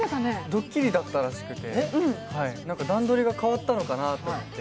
ドッキリだったらしくて、段取りが変わったのかなと思って。